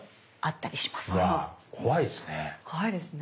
わぁ怖いですね。